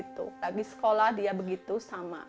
tapi sekolah dia begitu sama